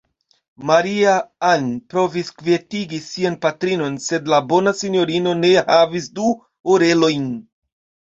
Maria-Ann provis kvietigi sian patrinon, sed la bona sinjorino ne havis plu orelojn.